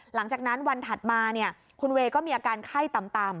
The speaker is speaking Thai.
หลังจากนั้นวันถัดมาคุณเวย์ก็มีอาการไข้ต่ำ